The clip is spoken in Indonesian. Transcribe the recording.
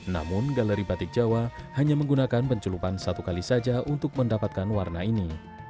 namun galeri batik jawa hanya menggunakan pencelupan satu kali saja untuk mendapatkan warna ini